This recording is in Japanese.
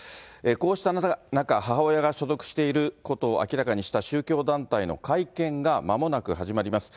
こうした中、母親が所属していることを明らかにした宗教団体の会見がまもなく始まります。